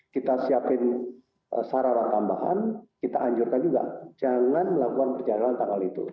kita siapin sarana tambahan kita anjurkan juga jangan melakukan perjalanan tanggal itu